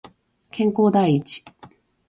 健康第一